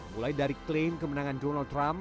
mulai dari klaim kemenangan donald trump